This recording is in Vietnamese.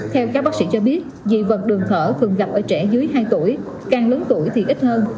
theo các bác sĩ cho biết dị vật đường thở thường gặp ở trẻ dưới hai tuổi càng lớn tuổi thì ít hơn